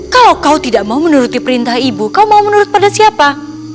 kalau kau tidak mau menuruti perintah ibu kau mau menurut pada siapa